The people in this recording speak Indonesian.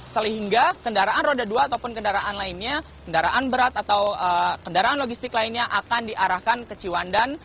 sehingga kendaraan roda dua ataupun kendaraan lainnya kendaraan berat atau kendaraan logistik lainnya akan diarahkan ke ciwandan